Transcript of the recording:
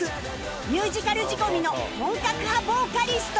ミュージカル仕込みの本格派ボーカリスト